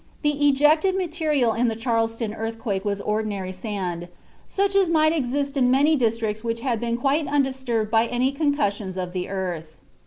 The ejected material in the Charleston earthquake was ordinary sand, such as might exist in many districts which had been quite undisturbed by any concussions of the earth.